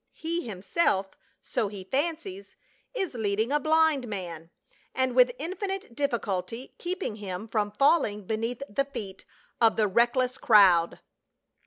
He himself — so he fancies — is leading a blind man, and with infinite difficulty keeping him from falling beneath the feet of the reckless crowd.